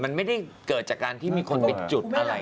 มันไม่ได้เกิดจากการที่มีคนไปจุดอะไร